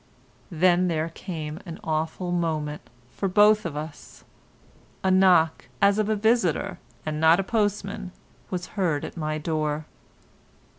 Then there came an awful moment for both of us. A knock, as of a visitor and not a postman, was heard at my door.